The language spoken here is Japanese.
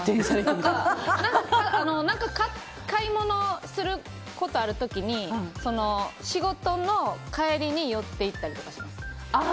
何か買い物することある時に仕事の帰りに寄っていったりとかします。